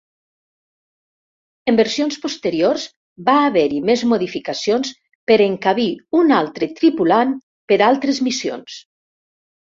En versions posteriors va haver-hi més modificacions per encabir un altre tripulant per altres missions.